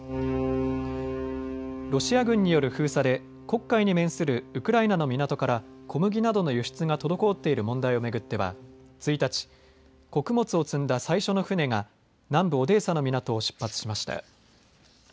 ロシア軍による封鎖で黒海に面するウクライナの港から小麦などの輸出が滞っている問題を巡っては１日、穀物を積んだ最初の船が南部オデーサの港を出発しました。